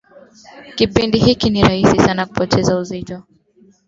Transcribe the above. kipindi hiki ni rahisi sana kupoteza uzito